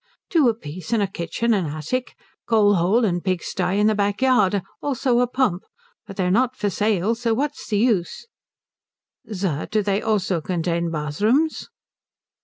"Two apiece, and a kitchen and attic. Coal hole and pig stye in the back yard. Also a pump. But they're not for sale, so what's the use " "Sir, do they also contain bathrooms?"